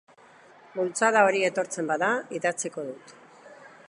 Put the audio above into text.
Bultzada hori etortzen bada, idatziko dut.